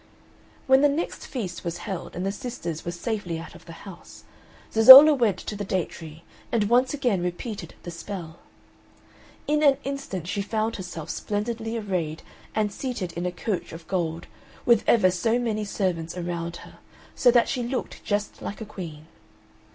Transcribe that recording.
When the next feast was held, and the sisters were safely out of the house, Zezolla went to the date tree, and once again repeated the spell. In an instant she found herself splendidly arrayed and seated in a coach of gold, with ever so many servants around her, so that she looked just like a queen.